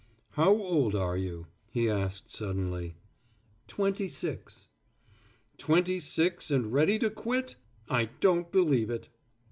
"How old are you?" he asked suddenly. "Twenty six." "Twenty six and ready to quit? I don't believe it."